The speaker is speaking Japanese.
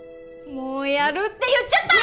もう「やる」って言っちゃった！